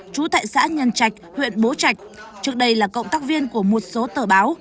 trú tại xã nhân trạch huyện bố trạch trước đây là cộng tác viên của một số tờ báo